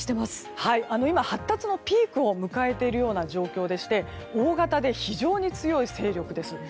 今、発達のピークを迎えているような状況で大型で非常に強い勢力です。